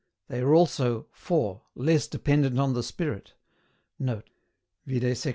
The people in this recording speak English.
They are also (4)LESS DEPENDENT ON THE SPIRIT [Note: Vide sect.